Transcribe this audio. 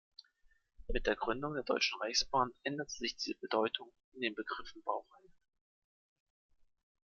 Mit der Gründung der Deutschen Reichsbahn änderte sich diese Bedeutung in den Begriff Baureihe.